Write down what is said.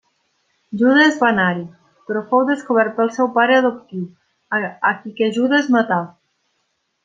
Judes va anar-hi però fou descobert pel seu pare adoptiu, a qui que Judes matà.